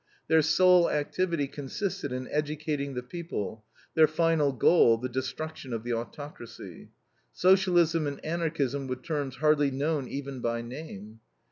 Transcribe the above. Their sole activity consisted in educating the people, their final goal the destruction of the autocracy. Socialism and Anarchism were terms hardly known even by name.